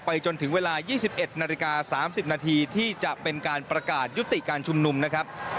จนถึงเวลา๒๑นาฬิกา๓๐นาทีที่จะเป็นการประกาศยุติการชุมนุมนะครับ